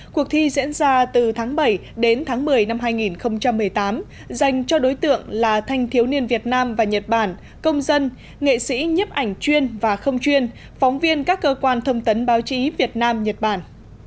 cuộc thi diễn ra từ tháng bảy đến tháng một mươi năm hai nghìn một mươi tám dành cho đối tượng là thanh thiếu niên việt nam và nhật bản công dân nghệ sĩ nhấp ảnh chuyên và không chuyên phóng viên các cơ quan thông tấn báo chí việt nam nhật bản